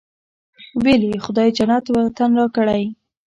ویل یې خدای جنت وطن راکړی.